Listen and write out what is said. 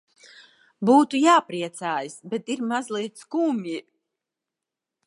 Būtu jāpriecājas, bet ir mazliet skumji.